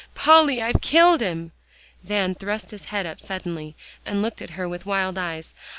"Polly, I've killed him!" Van thrust his head up suddenly and looked at her, with wild eyes.